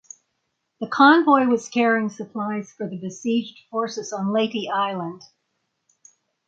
The convoy was carrying supplies for the besieged forces on Leyte Island.